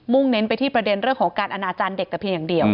เน้นไปที่ประเด็นเรื่องของการอนาจารย์เด็กแต่เพียงอย่างเดียว